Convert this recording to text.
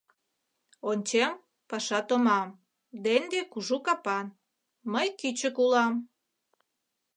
Ончем — паша томам: Денди кужу капан, мый кӱчык улам.